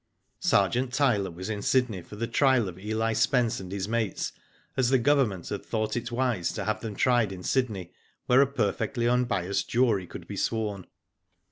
Sergeant Tyler was in Sydney for the trial of Eli Spence and his mates, as the Government had thought it wise to have ihem tried in Sydney, where a perfectly unbiassed jury could be sworn.